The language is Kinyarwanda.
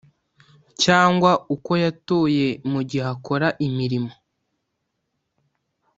cyangwa uko yatoye mu gihe akora imirimo